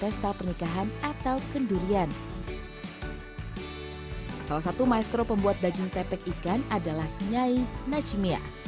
salah satu maestro pembuat daging tepek ikan adalah nyai nachimia